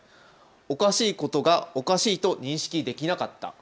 おかしいことがおかしいと認識できなかった。